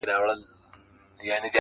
راڅخه زړه وړي رانه ساه وړي څوك,